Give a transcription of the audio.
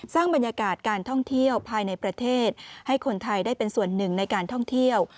สร้างบรรยากาศการท่องเที่ยวภายในประเทศให้คนไทยได้เป็นส่วนหนึ่งในการท่องเที่ยว